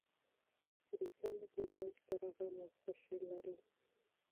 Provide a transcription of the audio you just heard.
انسان له پیدایښت سره غم او خوښي لري.